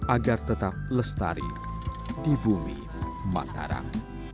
agar tetap lestari di bumi mataram